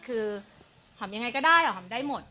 คือหอมยังไงก็ได้หอมได้หมด